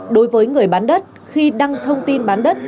đối với người bán đất khi đăng thông tin bán đất